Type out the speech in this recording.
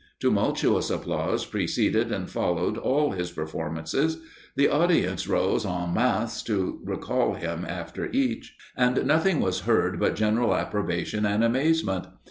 Tumultuous applause preceded and followed all his performances, the audience rose en masse to recall him after each, and nothing was heard but general approbation and amazement.